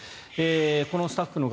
このスタッフの方